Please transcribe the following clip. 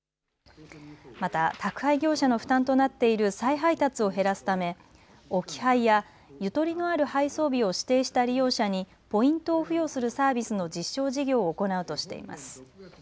また宅配業者の負担となっている再配達を減らすため置き配やゆとりのある配送日を指定した利用者にポイントを付与するサービスの実証事業を行うとしています。